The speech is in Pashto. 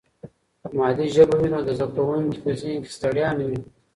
که مادي ژبه وي نو د زده کوونکي په ذهن کې ستړیا نه وي.